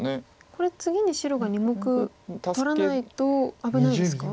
これ次に白が２目取らないと危ないですか？